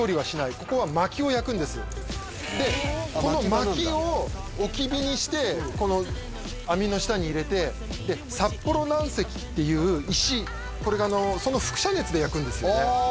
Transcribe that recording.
ここはまきを焼くんですでこのまきをおき火にしてこの網の下に入れて札幌軟石っていう石これがそのふく射熱で焼くんですよねああ